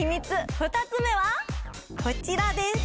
２つ目はこちらです